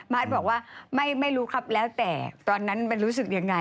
บอกว่าไม่รู้ครับแล้วแต่ตอนนั้นมันรู้สึกยังไง